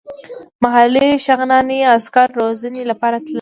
محلي شغناني عسکر روزنې لپاره تلل.